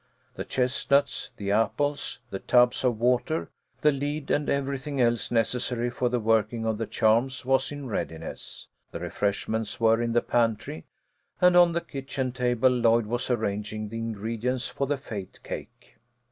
The chestnuts, the apples, the tubs of water, the lead, and everything else necessary for the working of the charms was in readiness ; the refreshments were in the pantry, and on the kitchen table Lloyd was arranging the ingre dients for the fate cake.